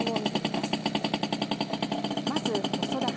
まず細田派。